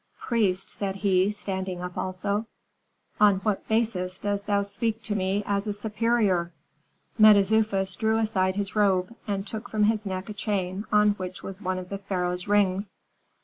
"Priest," said he, standing up also, "on what basis dost thou speak to me as a superior?" Mentezufis drew aside his robe, and took from his neck a chain on which was one of the pharaoh's rings.